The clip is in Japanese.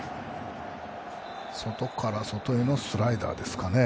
外から外へのスライダーですかね。